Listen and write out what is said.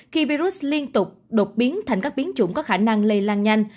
khi virus liên tục đột biến thành các biến chủng có khả năng lây lan nhanh